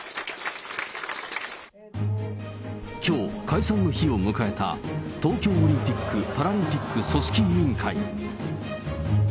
きょう解散の日を迎えた東京オリンピック・パラリンピック組織委員会。